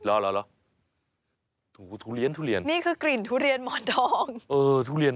โอ๊ยคุณคุณ